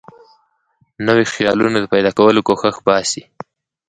نویو خیالونو د پیدا کولو کوښښ باسي.